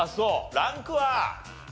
ランクは？